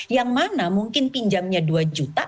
yang mana mungkin pinjamnya dua juta